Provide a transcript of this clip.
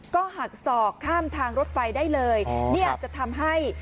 ก็หักศอกข้ามทางรถไฟได้เลยนี่อาจจะทำให้